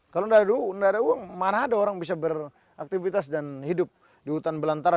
kalau tidak ada uang mana ada orang bisa beraktivitas dan hidup di hutan belantara